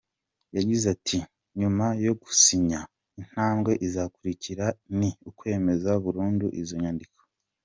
Yagize ati “Nyuma yo gusinya, intambwe izakurikira ni ukwemeza burundu izo nyandiko.